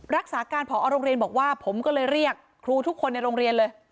รักษาการผอโรงเรียนบอกว่าผมก็เลยเรียกครูทุกคนในโรงเรียนเลย